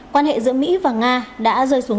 quan hệ giữa mỹ và nga đã rơi xuống